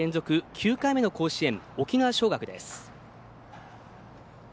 ９回目の甲子園沖縄尚学です。